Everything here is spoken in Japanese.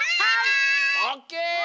オッケー！